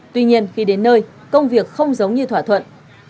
tuy nhiên khi đến nơi công việc không giống như thỏa thuận